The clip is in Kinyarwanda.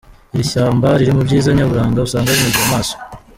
Iri shyamba riri mu byiza nyaburanga usanga binogeye amaso.